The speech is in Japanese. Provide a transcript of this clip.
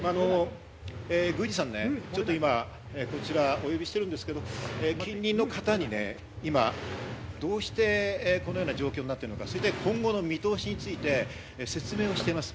宮司さんね、こちらお呼びしてるんですけれども近隣の方に今どうしてこのような状況になっているのか、そして今後の見通しについて説明をしています。